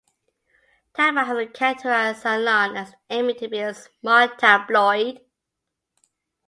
Talbot has characterized Salon as aiming to be a "smart tabloid".